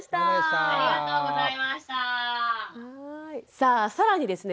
さあ更にですね